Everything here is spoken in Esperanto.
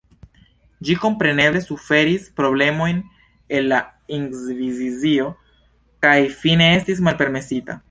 Ĝi kompreneble suferis problemojn el la Inkvizicio kaj fine estis malpermesita.